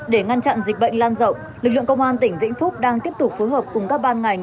để ngăn chặn dịch bệnh lan rộng lực lượng công an tỉnh vĩnh phúc đang tiếp tục phối hợp cùng các ban ngành